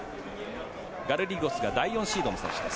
ガルリゴスが第４シードの選手です。